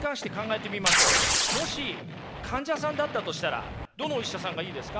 もし患者さんだったとしたらどのお医者さんがいいですか？